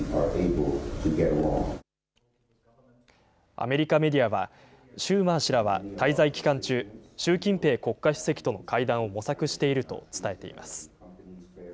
アメリカメディアは、シューマー氏らは滞在期間中、習近平国家主席との会談を模索していると伝えています。